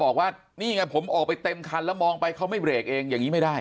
คุณออกไปเต็มคันแล้วมองไปเขาไม่เบรกเองอย่างนี้ไม่ได้